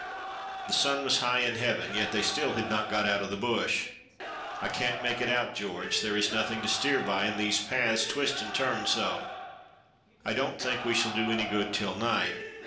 The sun, was high in heaven, yet still they had not got out of the bush. "I can't make it out, George; there is nothing to steer by, and these paths twist and turn so. I don't think we shall do any good till night.